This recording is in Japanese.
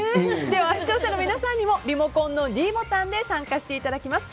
では視聴者の皆さんにもリモコンのｄボタンで参加していただきます。